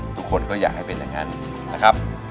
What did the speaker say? ทุกคนก็อยากให้เป็นอย่างนั้นนะครับ